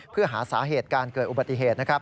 เพื่อหาสาเหตุการเกิดอุบัติเหตุนะครับ